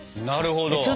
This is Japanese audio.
なるほど。